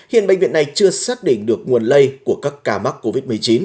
hiện bệnh viện này chưa xác định được nguồn lây của các ca mắc covid một mươi chín